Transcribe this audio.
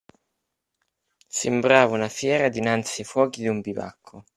Sembrava una fiera dinanzi ai fuochi d'un bivacco.